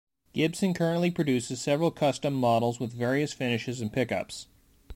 Gibson currently produces several Custom models with various finishes and pickups.